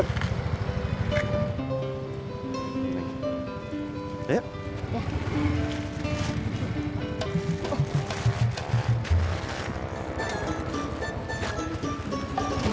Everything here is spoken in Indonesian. udah deh pak